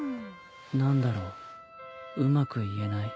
何だろううまく言えない。